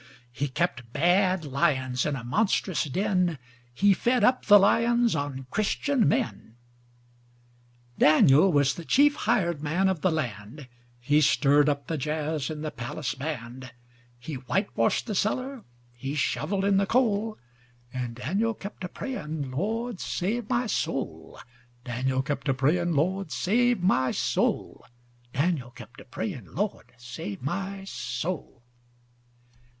He kept bad lions in a monstrous den. He fed up the lions on Christian men. With a touch of Alexander's ragtime band. Daniel was the chief hired man of the land. He stirred up the jazz in the palace band. He whitewashed the cellar. He shovelled in the coal. And Daniel kept a praying:—"Lord save my soul."Daniel kept a praying:—"Lord save my soul."Daniel kept a praying:—"Lord save my soul."